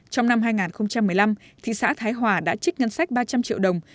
trong năm hai nghìn một mươi năm thị xã thái hòa đã trích ngân sách ba trăm linh triệu đồng